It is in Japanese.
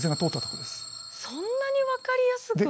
そんなに分かりやすく！